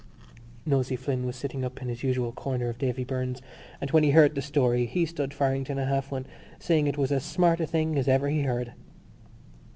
Nosey Flynn was sitting up in his usual corner of Davy Byrne's and, when he heard the story, he stood Farrington a half one, saying it was as smart a thing as ever he heard.